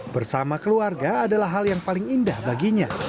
bersama keluarga adalah hal yang paling indah baginya